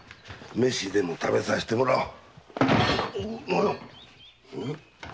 飯でも食べさせてもらおう。